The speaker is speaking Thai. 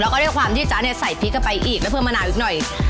แล้วก็ด้วยความที่จ๊ะเนี่ยใส่พริกเข้าไปอีกแล้วเพิ่มมะนาวอีกหน่อย